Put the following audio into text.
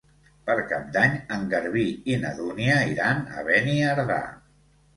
Per Cap d'Any en Garbí i na Dúnia iran a Beniardà.